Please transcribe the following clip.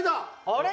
あれ？